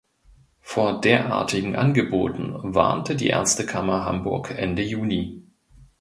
Vor derartigen Angeboten warnte die Ärztekammer Hamburg Ende Juni.